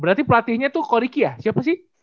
berarti pelatihnya tuh koriki ya siapa sih